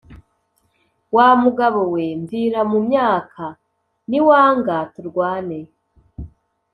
wamugabo we, mvira mu myaka niwanga turwane”.